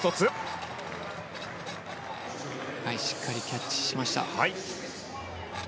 しっかりキャッチしました。